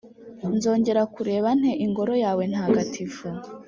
nzongera kureba nte ingoro yawe ntagatifu?’